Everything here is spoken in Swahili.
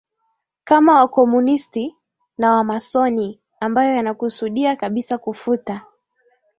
kama Wakomunisti na Wamasoni ambayo yanakusudia kabisa kufuta